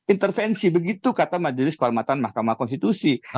intervensi begitu kata majelis kehormatan mahkamah konstitusi